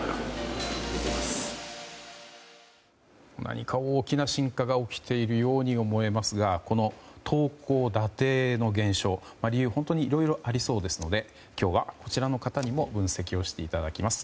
何か大きな進化が起きているように思えますが、投高打低の減少理由が本当にいろいろありそうですので今日はこちらの方にも分析をしていただきます。